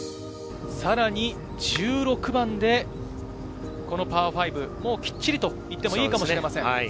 さらに１６番で、このパー５、きっちりといってもいいかもしれません。